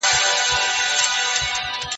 پر کټ باندي څوک نه وو